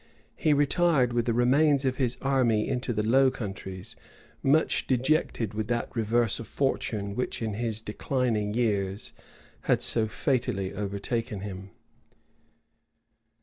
He retired with the remains of his army into the Low Countries, much dejected with that reverse of fortune which in his declining years, had so fatally overtaken him.